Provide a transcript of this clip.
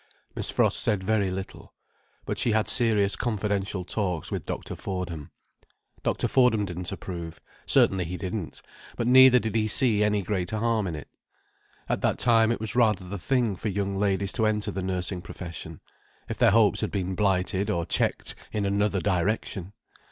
Miss Frost said very little. But she had serious confidential talks with Dr. Fordham. Dr. Fordham didn't approve, certainly he didn't—but neither did he see any great harm in it. At that time it was rather the thing for young ladies to enter the nursing profession, if their hopes had been blighted or checked in another direction!